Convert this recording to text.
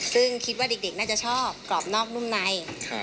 ซึ่งคิดว่าเด็กน่าจะชอบกรอบนอกนุ่มใน